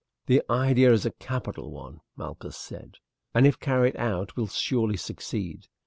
"The idea is a capital one," Malchus said, "and if carried out will surely succeed.